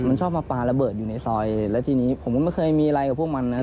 มันชอบมาปลาระเบิดอยู่ในซอยแล้วทีนี้ผมก็ไม่เคยมีอะไรกับพวกมันนะ